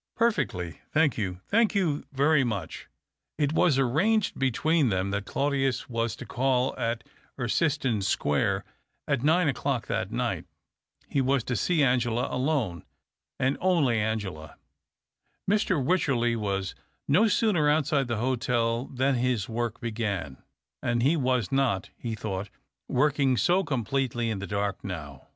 "Perfectly. Thank you, thank you very much." It was arranged between them that Claudius was to call at Erciston Square at nine o'clock that night. He was to see Ano ela alone, and only Angela. Mr. Wycherley was no sooner outside the •600 THE OCTAVE OF CLAUDIUS. hotel than his work began ; and he was not, he thought, working so completely in the dark now.